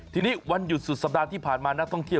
ทีนี้วันหยุดสุดสัปดาห์ที่ผ่านมานักท่องเที่ยว